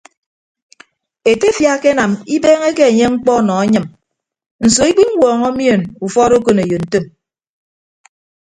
Etefia akenam ibeeñeke enye mkpọ nọ anyịm nso ikpiñwuọñọ mien ufọọd okoneyo ntom.